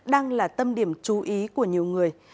đang là tâm điểm chú ý của nhiều người